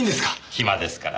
暇ですから。